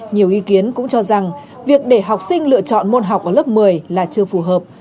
nhiều ý kiến cũng cho rằng việc để học sinh lựa chọn môn học ở lớp một mươi là chưa phù hợp